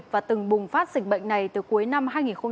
và từng bùng phát dịch bệnh này từ cuối năm hai nghìn một mươi chín